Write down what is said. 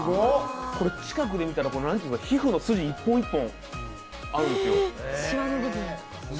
近くで見たら皮膚の筋、１本１本あるんですよ。